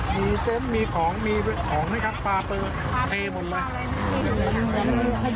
มีเฟ้มมีของมีของนะครับปลาเปลือกเทหมดเลย